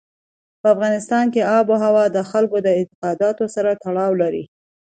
په افغانستان کې آب وهوا د خلکو د اعتقاداتو سره تړاو لري.